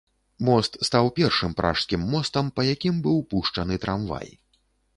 Мост стаў першым пражскім мостам, па якім быў пушчаны трамвай.